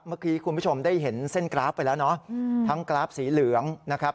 เมื่อกี้คุณผู้ชมได้เห็นเส้นกราฟไปแล้วเนาะทั้งกราฟสีเหลืองนะครับ